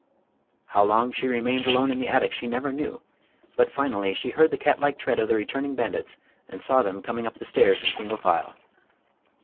How long she remained alone in the attic she never knew, but finally she heard the catlike tread of the returning bandits and saw them coming up the stairs in single file.